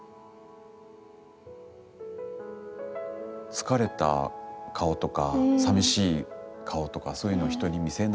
疲れた顔とかさみしい顔とかそういうのは人に見せない？